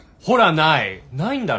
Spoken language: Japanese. ほらない！